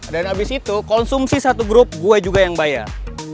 dan abis itu konsumsi satu grup gue juga yang bayar